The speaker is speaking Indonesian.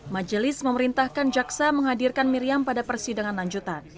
majelis memerintahkan jaksa menghadirkan miriam pada persidangan lanjutan